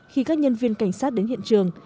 khi các nhân viên cảnh sát đến hiện trường